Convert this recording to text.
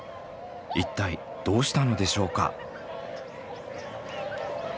一体どうしたのでしょうか？